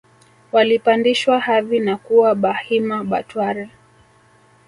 walipandishwa hadhi na kuwa Bahima Batware